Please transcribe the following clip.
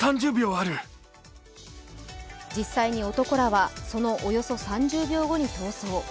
実際に男らはそのおよそ３０秒後に逃走。